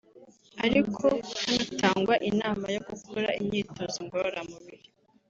Ariko hanatangwa inama yo gukora imyitozo ngororamubiri